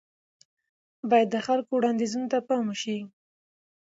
بايد د خلکو وړانديزونو ته پام وشي.